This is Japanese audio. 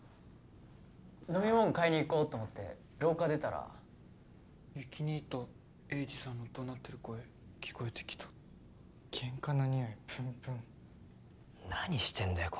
飲み物買いに行こうと思って廊下出たら有起兄と栄治さんのどなってる声聞こえてきたケンカのにおいプンプン何してんだよ